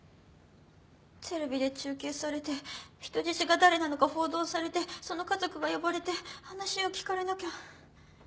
テレビで中継されて人質が誰なのか報道されてその家族が呼ばれて話を聞かれなきゃ。